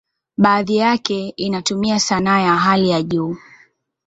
Baadhi yake inatumia sanaa ya hali ya juu.